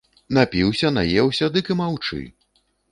Напіўся, наеўся, дык і маўчы!